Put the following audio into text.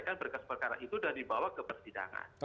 dan percara itu sudah dibawa ke persidangan